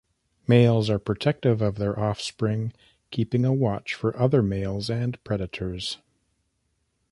Males are protective of their offspring, keeping a watch for other males and predators.